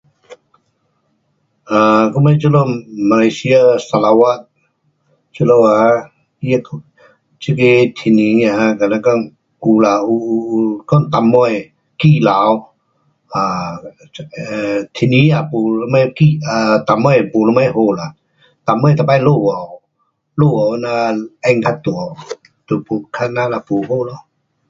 我们马来西亜砂拉越这几啊这个呀的天气就是説什么，，，，天气是什么不大好，那样会下雨，下雨了浪就会大，就是那样不大好了。